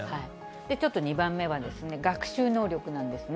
ちょっと２番目は、学習能力なんですね。